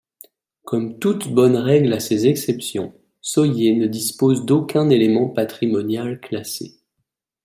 Comme toute bonne règle a ses exceptions, Sohier ne dispose d’aucun élément patrimonial classé.